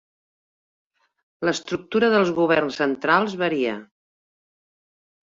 L'estructura dels governs centrals varia.